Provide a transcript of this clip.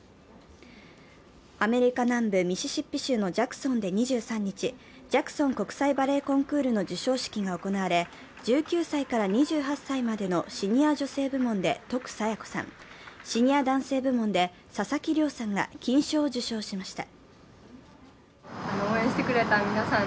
アメリカ南部ミシシッピ州のジャクソンで２３日、ジャクソン国際バレエコンクールの授賞式が行われ、１９歳から２８歳までのシニア女性部門で徳彩也子さん、シニア男性部門で佐々木嶺さんが金賞を受賞しました。